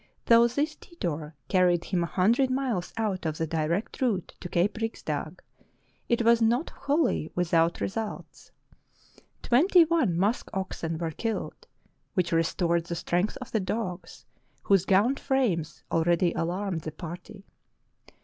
Though this detour carried him a hundred miles out of the direct route to Cape Riksdag, it was not wholly without re sults. Twenty one musk oxen were killed, which re stored the strength of the dogs, whose gaunt frames already alarmed the party.